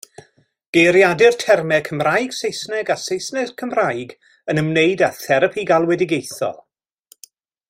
Geiriadur termau Cymraeg-Saesneg a Saesneg-Cymraeg yn ymwneud â therapi galwedigaethol.